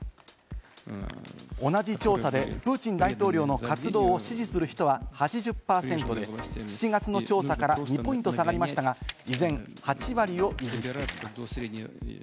同じ調査でプーチン大統領の活動を支持する人は８０％で、７月の調査から２ポイント下がりましたが、依然８割を維持しています。